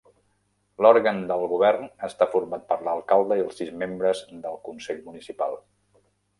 L'òrgan del govern està format per l'alcalde i els sis membres del Consell Municipal.